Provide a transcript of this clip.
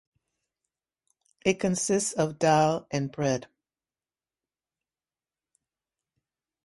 It consists of Daal and bread.